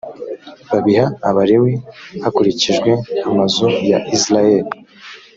babiha abalewi hakurikijwe amazu ya isirayeli